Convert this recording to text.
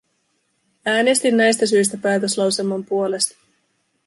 Äänestin näistä syistä päätöslauselman puolesta.